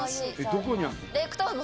どこにあるの？